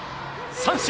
三振！